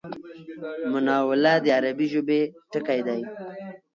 مناوله د عربي ژبی ټکی دﺉ.